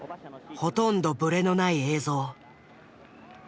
ほとんどブレのない映像。